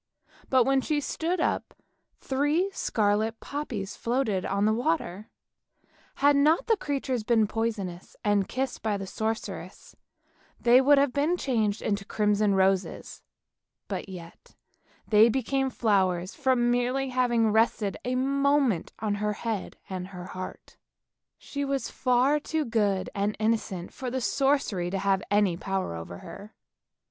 But when she stood up three scarlet poppies floated on the water; had not the creatures been poisonous, and kissed by the sorceress, they would have been changed into crimson roses, but yet they became flowers from merely having rested a moment on her head and her heart. She was far too good and innocent for the sorcery to have any power over her.